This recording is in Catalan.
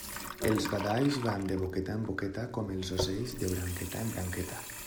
Els badalls van de boqueta en boqueta, com els ocells de branqueta en branqueta.